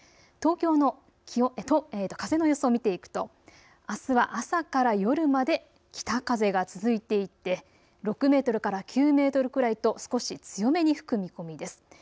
東京の風の予想を見ていくと朝から夜まで北風が続いていて６メートルから９メートルくらいと少し強めに吹く見込みです。